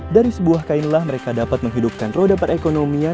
dari sebuah kainlah mereka dapat menghidupkan roda perekonomian